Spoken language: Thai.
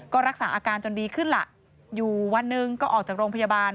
ก็รักษาอาการจนดีขึ้นล่ะอยู่วันหนึ่งก็ออกจากโรงพยาบาล